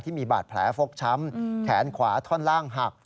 ที่มีบาดแผลฟกช้ำแขนขวาท่อนล่างหัก